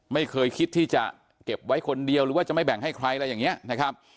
ไม่เคยคิดที่จะเก็บไว้คนเดียวหรือว่าจะไม่แบ่งให้ใครอะไรอย่างนี้นะครับ